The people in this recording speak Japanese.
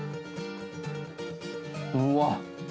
うわっ！